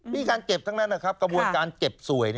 มีการเก็บทั้งนั้นนะครับกระบวนการเก็บสวย